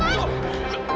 jangan irah mesya